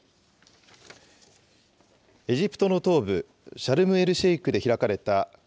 エジプトの東部シャルムエルシェイクで開かれたＣＯＰ